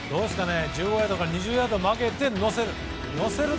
１５ヤードから２０ヤード曲げて乗せる。